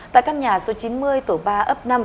tại căn nhà số chín mươi tổ ba ấp năm